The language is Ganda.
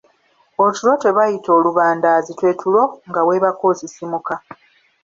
Otulo twebayita lubandaazi twe tulo nga weebaka osisimuka.